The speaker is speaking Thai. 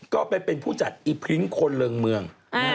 ก็ไปเป็นผู้จัดอีพรินคนเริงเมือง